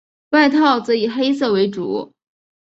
外套则以黑色为主。